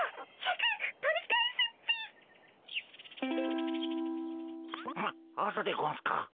はっ朝でゴンスか？